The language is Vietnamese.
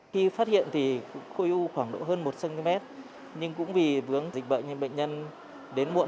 khi phát hiện thì khối u khoảng độ hơn một cm nhưng cũng vì vướng dịch bệnh thì bệnh nhân đến muộn